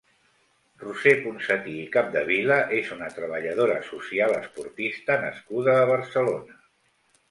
Roser Ponsati i Capdevila és una treballadora social, esportista nascuda a Barcelona.